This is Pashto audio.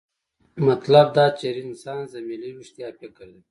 مطلب دا چې رنسانس د ملي ویښتیا فکر دی.